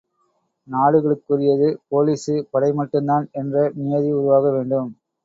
நாடுகளுக்குரியது, police படை மட்டும்தான் என்ற நியதி உருவாக வேண்டும்.